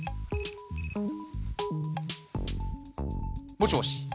もしもし。